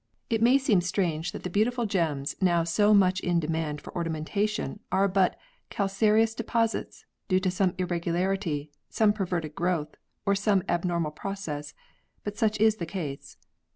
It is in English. It may seem strange that the beautiful gems now so much in demand 92 PEARLS [CH. for ornamentation are but calcareous deposits, due to some irregularity, some perverted growth, or some abnormal process : but such is the case.